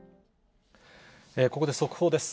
ここで速報です。